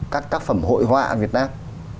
các tác phẩm hội họa việt nam